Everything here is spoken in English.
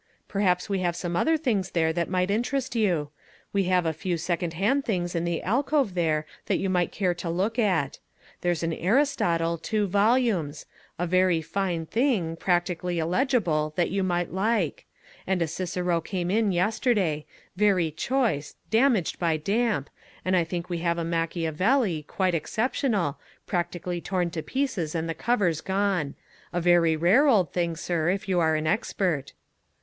Perhaps we have some other things there that might interest you. We have a few second hand things in the alcove there that you might care to look at. There's an Aristotle, two volumes a very fine thing practically illegible, that you might like: and a Cicero came in yesterday very choice damaged by damp and I think we have a Machiavelli, quite exceptional practically torn to pieces, and the covers gone a very rare old thing, sir, if you're an expert."